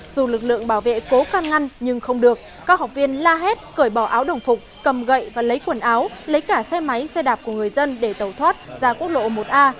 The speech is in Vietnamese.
dù lực lượng bảo vệ cố can ngăn nhưng không được các học viên la hét cởi bỏ áo đồng phục cầm gậy và lấy quần áo lấy cả xe máy xe đạp của người dân để tẩu thoát ra quốc lộ một a